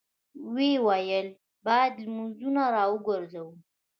ويې ويل: بايد لمونځونه راوګرځوو!